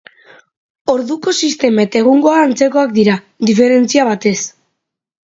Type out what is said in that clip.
Orduko sistema eta egungoa antzekoak dira, diferentzia batez.